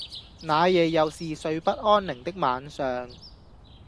那夜又是睡不安寧的晚上